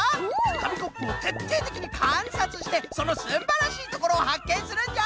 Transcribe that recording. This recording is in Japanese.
かみコップをてっていてきにかんさつしてそのすんばらしいところをはっけんするんじゃ！